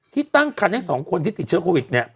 ตั้งคันทั้งสองคนที่ติดเชื้อโควิดเนี่ย